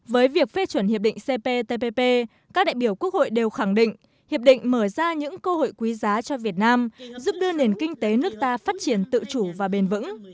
với việc phê chuẩn hiệp định cptpp các đại biểu quốc hội đều khẳng định hiệp định mở ra những cơ hội quý giá cho việt nam giúp đưa nền kinh tế nước ta phát triển tự chủ và bền vững